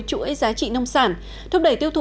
chuỗi giá trị nông sản thúc đẩy tiêu thụ